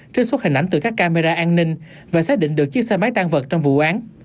trích xuất hình ảnh từ các camera an ninh và xác định được chiếc xe máy tan vật trong vụ án